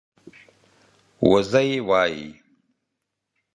وزۍ وايي